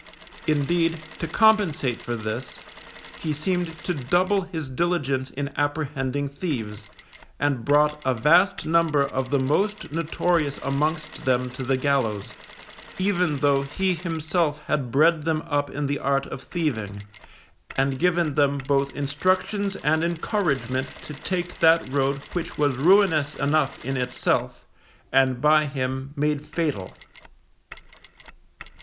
Indeed, to compensate for this, he seemed to double his diligence in apprehending thieves, and brought a vast number of the most notorious amongst them to the gallows, even though he himself had bred them up in the art of thieving, and given them both instructions and encouragement to take that road which was ruinous enough in itself, and by him made fatal.